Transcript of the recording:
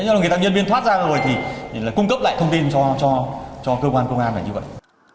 nếu là nhân viên thoát ra rồi thì cung cấp lại thông tin cho cơ quan công an là như vậy